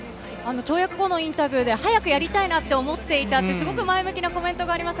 跳躍後のインタビューでは早くやりたいなと思っていたと前向きなコメントありました。